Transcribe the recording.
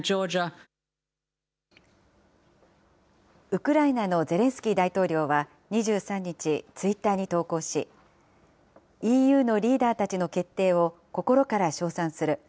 ウクライナのゼレンスキー大統領は２３日、ツイッターに投稿し、ＥＵのリーダーたちの決定を心から称賛する。